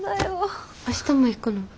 明日も行くの？